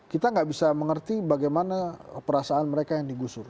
kita nggak bisa mengerti bagaimana perasaan mereka yang digusur